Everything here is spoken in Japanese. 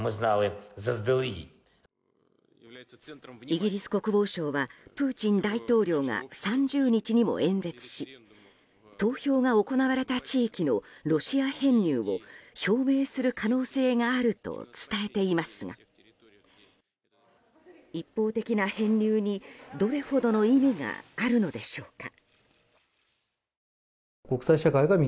イギリス国防省はプーチン大統領が３０日にも演説し投票が行われた地域のロシア編入を表明する可能性があると伝えていますが一方的な編入にどれほどの意味があるのでしょうか。